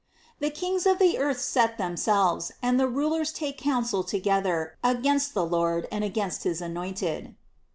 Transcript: The kings of the earth set themselves, and the rulers take counsel together, against the Lord, and against his anointed."